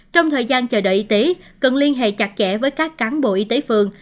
trong thời gian chờ đợi y tế cần liên hệ chặt chẽ với các cán bộ y tế phường